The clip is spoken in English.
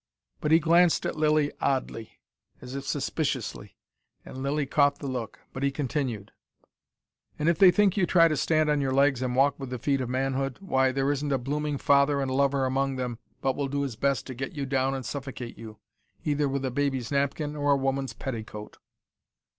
But he glanced at Lilly oddly, as if suspiciously. And Lilly caught the look. But he continued: "And if they think you try to stand on your legs and walk with the feet of manhood, why, there isn't a blooming father and lover among them but will do his best to get you down and suffocate you either with a baby's napkin or a woman's petticoat."